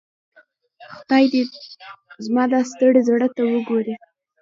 خدای دي زما دا ستړي زړۀ ته وګوري.